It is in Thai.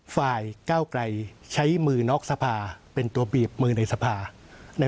ก้าวไกลใช้มือนอกสภาเป็นตัวบีบมือในสภา